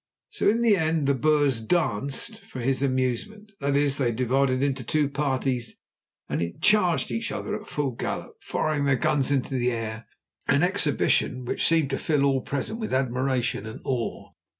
So in the end the Boers "danced" for his amusement. That is, they divided into two parties, and charged each other at full gallop, firing their guns into the air, an exhibition which seemed to fill all present with admiration and awe.